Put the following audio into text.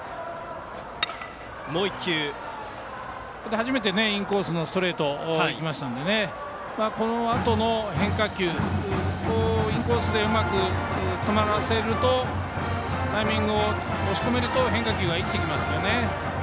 初めてインコースストレートが来ましたのでこのあとの変化球インコースでうまく詰まらせるとタイミングを押し込めると変化球が生きてきますね。